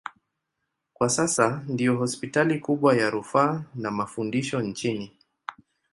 Kwa sasa ndiyo hospitali kubwa ya rufaa na mafundisho nchini.